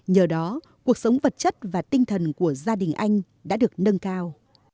nhờ đó cuộc sống vật chất và tinh thần của gia đình anh đã được nâng cao